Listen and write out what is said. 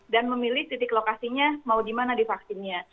dan memilih titik lokasinya mau di mana di vaksinnya